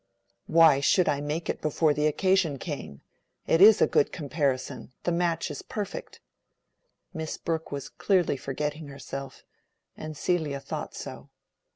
"Why should I make it before the occasion came? It is a good comparison: the match is perfect." Miss Brooke was clearly forgetting herself, and Celia thought so.